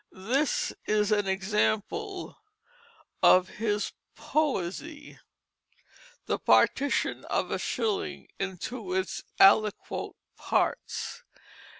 This is an example of his poesy: "THE PARTITION OF A SHILLING INTO HIS ALIQUOT PARTES.